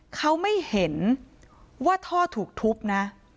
เขาไม่เห็นว่าท่อถูกทุบนะ